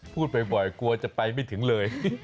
พูดบ่อยกลัวจะไปไม่ถึงเลย